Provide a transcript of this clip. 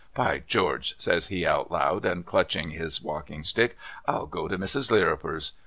' By George !' says he out loud and clutching his walking stick, ' I'll go to Mrs. Lirriper's.